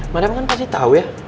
madem kan pasti tau ya